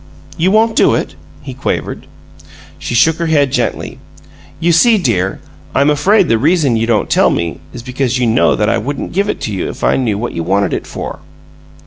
"You won't do it?" he quavered. She shook her head gently. "You see, dear, I'm afraid the reason you don't tell me is because you know that I wouldn't give it to you if I knew what you wanted it for."